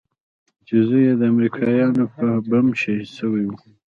چې زوى يې د امريکايانو په بم شهيد سوى و.